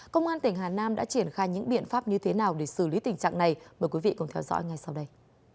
công an tỉnh hà nam đã triển khai những biện pháp như thế nào để xử lý tình trạng này mời quý vị cùng theo dõi ngay sau đây